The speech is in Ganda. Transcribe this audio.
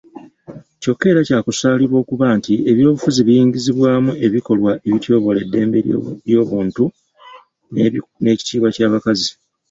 Kyokka era kyakusaalirwa okuba nti ebyobufuzi biyingizibwamu n’ebikolwa ebityoboola eddembe ly’obuntu n’ekitiibwa ky’abakazi.